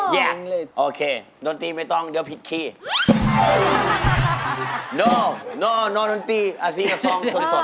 อย่าบอกนะว่าจะร้องคำแพงเป็นภาษาอังกฤษ